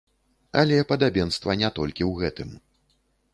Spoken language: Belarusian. Але падабенства не толькі ў гэтым.